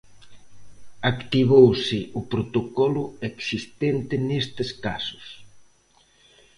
Activouse o protocolo existente nestes casos.